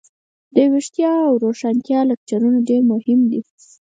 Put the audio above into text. دویښتیا او روښانتیا لکچرونه ډیر مهم دي.